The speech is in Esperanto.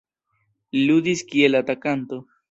Li ludis kiel atakanto.